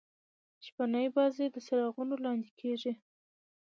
شپنۍ بازۍ د څراغو لانديکیږي.